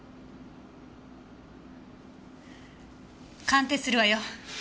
鑑定するわよ。